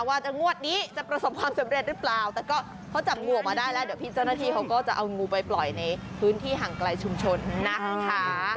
งวดนี้จะประสบความสำเร็จหรือเปล่าแต่ก็เขาจับงูออกมาได้แล้วเดี๋ยวพี่เจ้าหน้าที่เขาก็จะเอางูไปปล่อยในพื้นที่ห่างไกลชุมชนนะคะ